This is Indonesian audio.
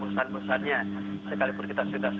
musan musannya sekalipun kita sudah